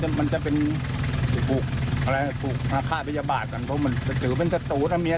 แต่มันจะเป็นพลกหน้าค่าพยาบาทงั้นเพราะมันถือเป็นสตูทจะเมีย